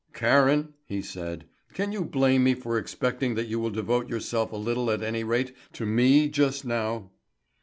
"Karen," he said, "can you blame me for expecting that you will devote yourself a little at any rate to me just now?"